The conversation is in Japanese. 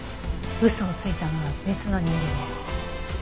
嘘をついたのは別の人間です。